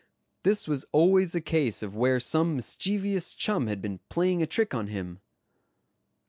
This was always a case of where some mischievous chum had been playing a trick on him.